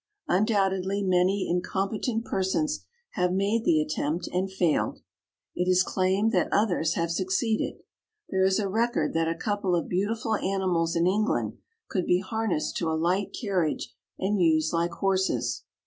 Undoubtedly many incompetent persons have made the attempt and failed. It is claimed that others have succeeded. There is a record that a couple of beautiful animals in England could be harnessed to a light carriage and used like horses.